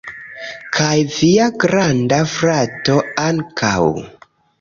Kaj via granda frato ankaŭ